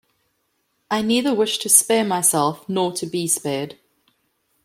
I neither wish to spare myself nor to be spared.